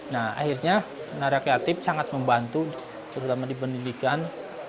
nah akhirnya nara kreatif sangat membantu terutama di pendidikan